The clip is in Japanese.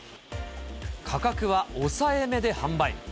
価格は抑えめで販売。